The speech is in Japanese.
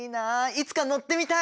いつか乗ってみたい！